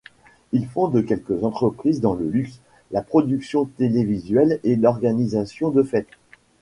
Il fonde quelques entreprises dans le luxe, la production télévisuelle et l’organisation de fêtes.